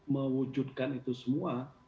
mewujudkan itu semua